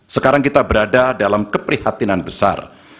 sekarang kita berada dalam keprihatinan besar